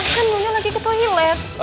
kan dulunya lagi ke toilet